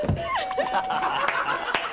ハハハ